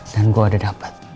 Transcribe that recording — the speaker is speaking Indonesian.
dan gua ada data